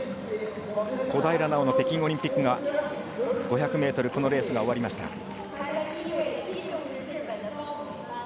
小平奈緒の北京オリンピック５００ｍのレースが終わりました。